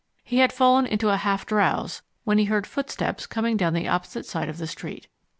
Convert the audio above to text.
He had fallen into a half drowse when he heard footsteps coming down the opposite side of the street.